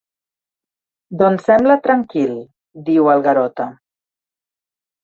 Doncs sembla tranquil —diu el Garota.